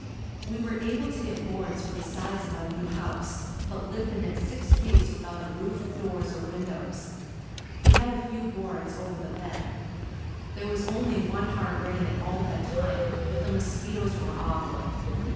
We were able to get boards for the sides of our new house, but lived in it six weeks without a roof, doors or windows. We had a few boards over the bed. There was only one hard rain in all that time but the mosquitoes were awful.